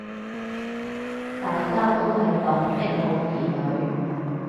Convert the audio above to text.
大家都是黨的好兒女